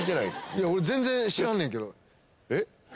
いや俺全然知らんねんけどえっ？